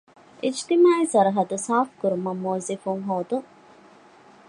އިޖުތިމާޢީ ސަރަހައްދު ސާފުކުރުމަށް މުވައްޒަފުން ހޯދުން